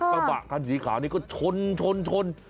กระบะการสีขาวนี่ก็ชนชนชน